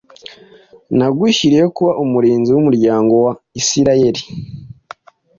nagushyiriyeho kuba umurinzi w’umuryango wa Isirayeli;